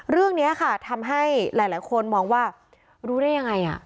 เรื่องนี้ค่ะทำให้หลายคนมองว่ารู้ได้ยังไง